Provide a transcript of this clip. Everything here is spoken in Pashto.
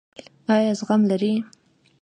ایا زغم لرئ؟